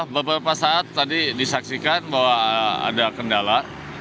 beberapa saat tadi disaksikan bahwa ada kendala